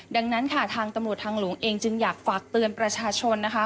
ดังนั้นค่ะทางตำรวจทางหลวงเองจึงอยากฝากเตือนประชาชนนะคะ